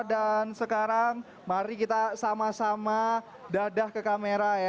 dan sekarang mari kita sama sama dadah ke kamera ya